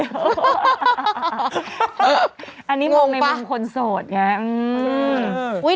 งงปะอันนี้มุมในมุมคนโสดไงอืมอืม